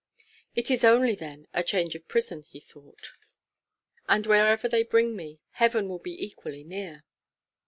"It is only, then, a change of prison," he thought; "and wherever they bring me, heaven will be equally near."